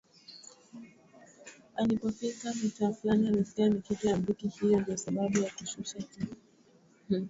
Alipofika mitaa Fulani alisikia mikito ya muziki hiyo ndio sababu ya kushusha kioo